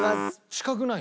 近くない？